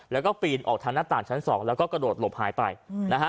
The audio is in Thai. แล้วก็ปีนออกทางหน้าต่างชั้นสองแล้วก็กระโดดหลบหายไปนะฮะ